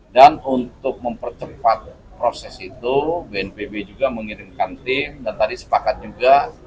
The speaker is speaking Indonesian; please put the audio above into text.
dan untuk mempercepat proses itu bnpb juga mengirimkan tim dan tadi sepakat juga